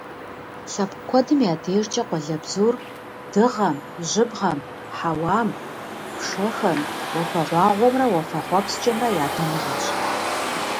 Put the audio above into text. Лъэпкъ куэдым я дежкӀэ къуалэбзур дыгъэм, жьыбгъэм, хьэуам, пшэхэм, уафэгъуагъуэмрэ хъуэпскӀымрэ я дамыгъэщ.